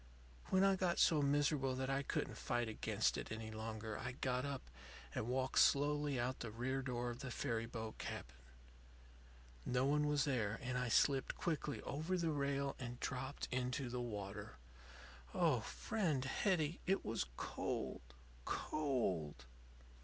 "When I got so miserable that I couldn't fight against it any longer, I got up and walked slowly out the rear door of the ferry boat cabin. No one was there, and I slipped quickly over the rail and dropped into the water. Oh, friend Hetty, it was cold, cold!